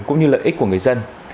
cũng như lợi ích của người dân